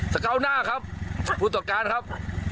เก้าหน้าครับผู้ต่อการครับ